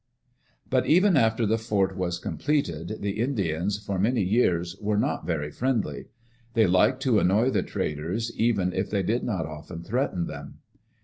But even after the fort was completed, the Indians, for many years, were not very friendly. They liked to annoy the traders, even if they did not often threaten them.